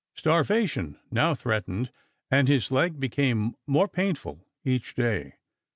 Starvation now threatened, and his leg became more painful each day.